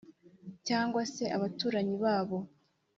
cyangwa se abaturanyi babo